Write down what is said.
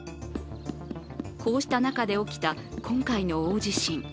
こうした中で起きた今回の大地震。